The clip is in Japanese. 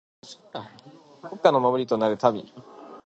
国家の守りとなる臣。